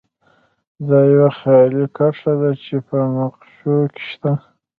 دا یوه خیالي کرښه ده چې په نقشو کې شته